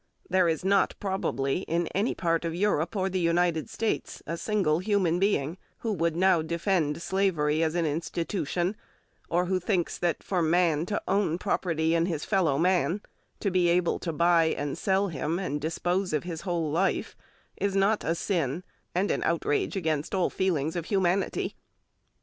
There is not, probably, in any part of Europe or the United States a single human being who would now defend slavery as an institution, or who thinks that for man to own property in his fellow man, to be able to buy and sell him and dispose of his whole life, is not a sin and an outrage against all feelings of humanity.